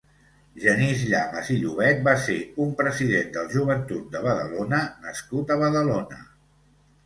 Genís Llamas i Llobet va ser un president del Joventut de Badalona nascut a Badalona.